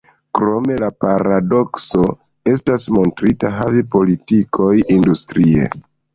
Krome, la paradokso estas montrita havi aplikoj industrie.